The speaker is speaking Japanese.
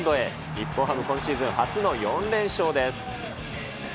日本ハム、今シーズン初の４連勝です。